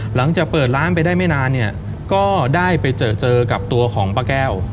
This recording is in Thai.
หลังจากเปิดร้านไปได้ไม่นานเนี่ยก็ได้ไปเจอเจอกับตัวของป้าแก้ว